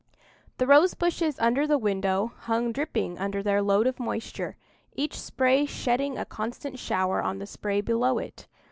The rose bushes under the window hung dripping under their load of moisture, each spray shedding a constant shower on the spray below it.